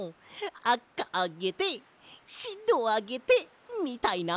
「あかあげてしろあげて」みたいな。